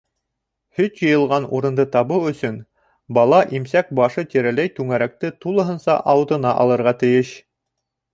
Һөт йыйылған урынды табыу өсөн бала имсәк башы тирәләй түңәрәкте тулыһынса ауыҙына алырға тейеш.